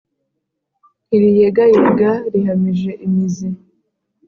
ntiriyegayega rihamije imizi